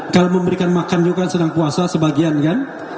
kalau memberikan makan juga kan sedang puasa sebagian kan